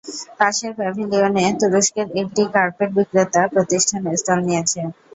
পাশের প্যাভিলিয়নে তুরস্কের একটি কার্পেট বিক্রেতা প্রতিষ্ঠান স্টল নিয়েছে।